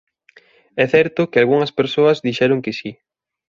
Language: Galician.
É certo que algunhas persoas dixeron que si.